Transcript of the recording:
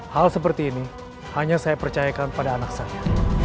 hal seperti ini hanya saya percayakan pada anak saya